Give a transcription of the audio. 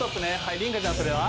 凜香ちゃんそれは？